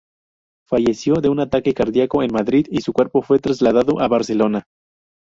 Falleció de un ataque cardíaco en Madrid y su cuerpo fue trasladado a Barcelona.